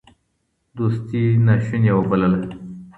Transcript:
دوستي ناشوني وبلله